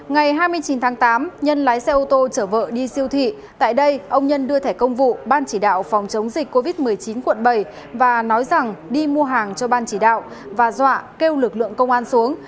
ngày hai mươi chín tháng tám nhân lái xe ô tô chở vợ đi siêu thị tại đây ông nhân đưa thẻ công vụ ban chỉ đạo phòng chống dịch covid một mươi chín quận bảy và nói rằng đi mua hàng cho ban chỉ đạo và dọa kêu lực lượng công an xuống